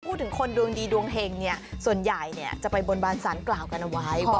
คนดวงดีดวงเห็งเนี่ยส่วนใหญ่จะไปบนบานสารกล่าวกันเอาไว้